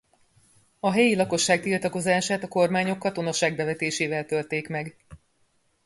A helyi lakosság tiltakozását a kormányok katonaság bevetésével törték meg.